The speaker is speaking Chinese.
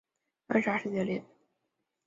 暗杀事件列表